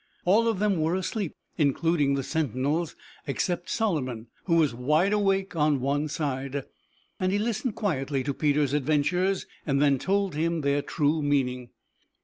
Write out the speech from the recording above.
All of them were asleep, including the sentinels, except Solomon, who was wide awake on one side, and he listened quietly to Peter's adventures, and then told him their true meaning.